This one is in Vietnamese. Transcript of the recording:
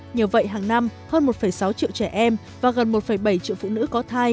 nhờ vậy hàng năm hơn một sáu triệu trẻ em và gần một bảy triệu phụ nữ có thai